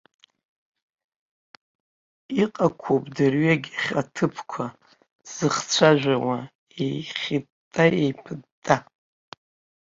Иҟақәоуп дырҩегьых аҭыԥқәа, дзыхцәажәауа еихьытта-еиԥытта.